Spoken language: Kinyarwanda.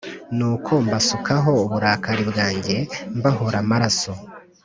Nuko mbasukaho uburakari bwanjye mbahora amaraso